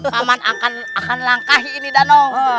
paman akan langkah di ini danau